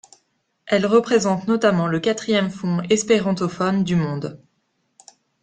Elle représente notamment le quatrième fonds espérantophone du monde.